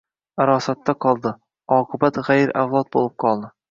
Arosatda qoldi! Oqibat g‘ayir avlod bo‘lib qoldi!»